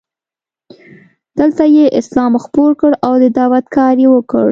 دلته یې اسلام خپور کړ او د دعوت کار یې وکړ.